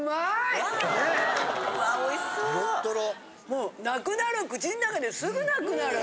もうなくなる。